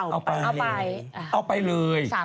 เอาไปเอาไปเลย